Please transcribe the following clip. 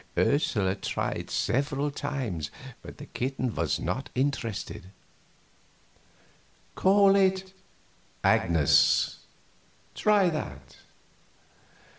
Ursula tried several names, but the kitten was not interested. "Call it Agnes. Try that."